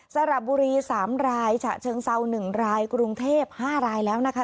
สระบุรี๓รายฉะเชิงเซา๑รายกรุงเทพ๕รายแล้วนะคะ